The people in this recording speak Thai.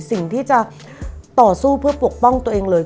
สิ่งที่จะต่อสู้เพื่อปกป้องตัวเองเลย